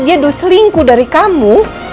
dia udah selingkuh dari kamu